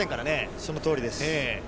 そのとおりです。